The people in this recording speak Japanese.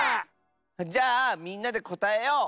じゃあみんなでこたえよう！